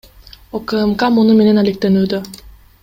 УКМК муну менен алектенүүдө.